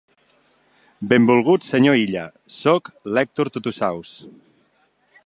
Benvolgut senyor Illa, sóc l'Èctor Tutusaus.